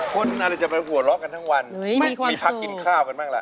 คนอะไรจะไปหัวเราะกันทั้งวันมีพักกินข้าวกันบ้างล่ะ